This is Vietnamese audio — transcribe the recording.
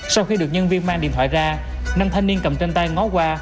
sau khi được nhân viên mang điện thoại ra năm thanh niên cầm trên tay ngó qua